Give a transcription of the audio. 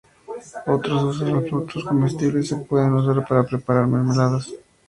Otros usos: Los frutos, comestibles, se pueden usar para preparar mermeladas.